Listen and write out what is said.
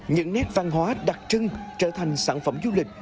những nét văn hóa đặc trưng trở thành sản phẩm du lịch